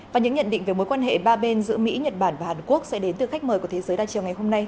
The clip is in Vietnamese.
và những nhận định về mối quan hệ ba bên giữa mỹ nhật bản và hàn quốc sẽ đến từ khách mời của thế giới đa chiều ngày hôm nay